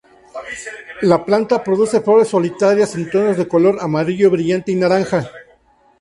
La planta produce flores solitarias en tonos de color amarillo brillante y naranja.